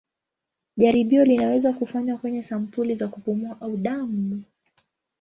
Jaribio linaweza kufanywa kwenye sampuli za kupumua au damu.